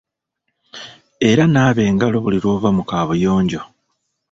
Era naaba engalo buli lw’ova mu kaabuyonjo.